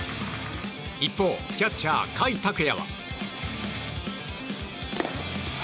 一方、キャッチャー甲斐拓也は。